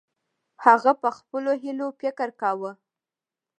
هغه په خپلو هیلو فکر کاوه.